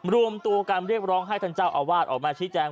รวมตัวกันเรียกร้องให้ท่านเจ้าอาวาสออกมาชี้แจง